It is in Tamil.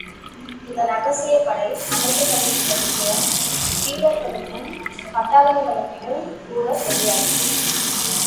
இந்த இரகசியப்படை அமைக்கப்பட்டிருந்த விஷயம் பீலர்களுக்கும் பட்டாளங்களுக்குங் கூடத் தெரியாது.